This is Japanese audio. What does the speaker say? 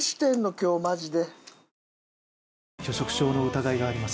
今日マジで。